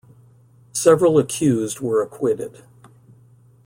Several accused were acquitted.